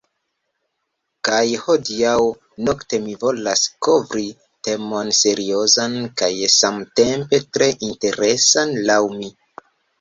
Kaj hodiaŭ nokte mi volas kovri temon seriozan kaj samtempe tre interesan laŭ mi.